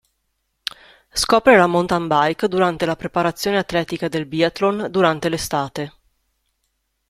Scopre la mountain bike durante la preparazione atletica del Biathlon durante l'estate.